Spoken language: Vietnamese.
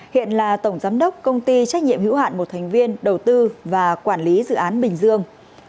hiện là tổng giám đốc công ty trách nhiệm hữu hạn một thành viên đầu tư và quản lý dự án bình dương